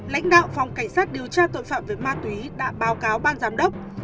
lãnh đạo phòng cảnh sát điều tra tội phạm về ma túy đã báo cáo ban giám đốc